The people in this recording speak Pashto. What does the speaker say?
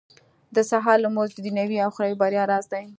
• د سهار لمونځ د دنيوي او اخروي بريا راز دی.